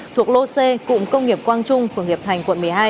thuộc lô xê cụng công nghiệp quang trung phường hiệp thành quận một mươi hai